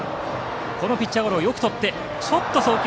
このピッチャーゴロをよくとって送球